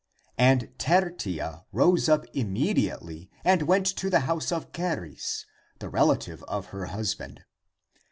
And Tertia rose up immediately and went to the house of Charis, the relative of her husband.